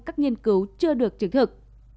các nghiên cứu chưa được chứng thực